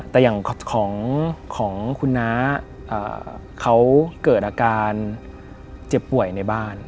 แต่อย่างของคุณน้าเขาเกิดอาการเจ็บป่วยในบ้าน